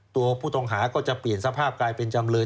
ตัวผู้ต้องหาก็จะเปลี่ยนสภาพกลายเป็นจำเลย